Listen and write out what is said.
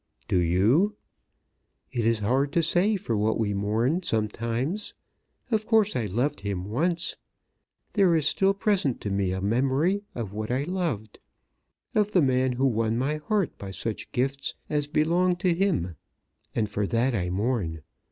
"Do you?" "It is hard to say for what we mourn sometimes. Of course I loved him once. There is still present to me a memory of what I loved, of the man who won my heart by such gifts as belonged to him; and for that I mourn.